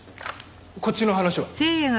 こっちの話は？